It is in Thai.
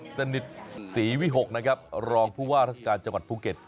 สนิทศรีวิหกนะครับรองผู้ว่าราชการจังหวัดภูเก็ต